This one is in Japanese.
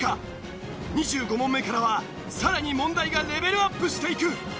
２５問目からはさらに問題がレベルアップしていく！